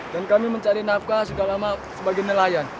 dan kami mencari nafkah sudah lama sebagai nelayan